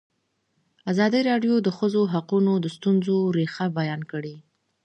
ازادي راډیو د د ښځو حقونه د ستونزو رېښه بیان کړې.